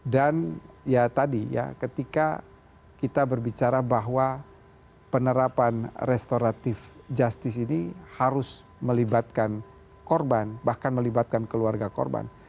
dan ya tadi ya ketika kita berbicara bahwa penerapan restoratif justice ini harus melibatkan korban bahkan melibatkan keluarga korban